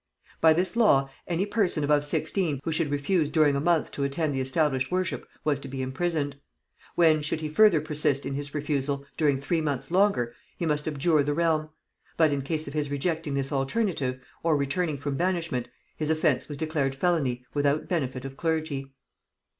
By this law, any person above sixteen who should refuse during a month to attend the established worship was to be imprisoned; when, should he further persist in his refusal during three months longer, he must abjure the realm; but in case of his rejecting this alternative, or returning from banishment, his offence was declared felony without benefit of clergy.